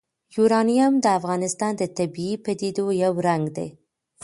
یورانیم د افغانستان د طبیعي پدیدو یو رنګ دی.